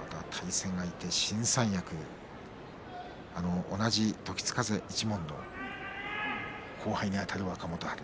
また対戦相手、新三役同じ時津風一門の後輩にあたる若元春。